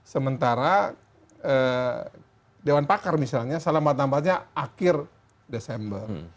sementara dewan pakar misalnya selambat nambahnya akhir desember